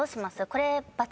これ。